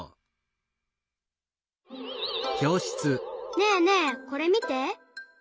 ねえねえこれみて。